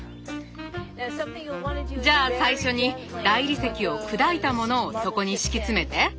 じゃあ最初に大理石を砕いたものを底に敷き詰めて。